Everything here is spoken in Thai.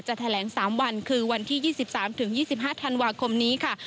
แถลง๓วันคือวันที่๒๓๒๕ธันวาคมนี้ค่ะ